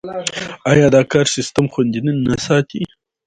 آیا دا کار سیستم خوندي نه ساتي؟